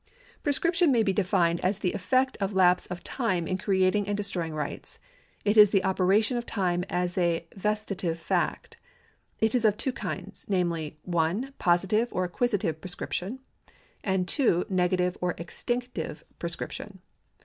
Prescription ^ may be defined as the effect of lapse of time in creating and destroying rights ; it is the operation of time as a vestitive fact. It is of two kinds, namely (1) positive or acquisitive prescription and (2) negative or extinctive prescription.